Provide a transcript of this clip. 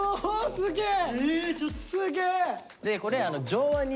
すげえ！